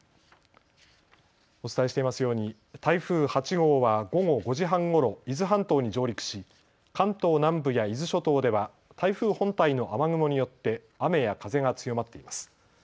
お伝えしていますように台風８号は午後５時半ごろ伊豆半島に上陸し関東南部や伊豆諸島では台風本体の雨雲によって雨や風が強まっています。